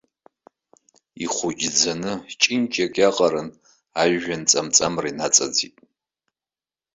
Ихәыҷӡаны, ҷынҷак иаҟараны ажәҩан ҵамҵамра инаҵаӡит.